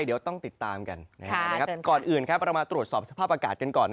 เดียวต้องติดตามก่อนมาตรวจสอบสภาพอากาศกันก่อน